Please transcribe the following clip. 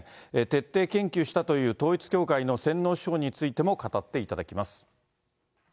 徹底研究したという、統一教会の洗脳手法についても語っていただきます。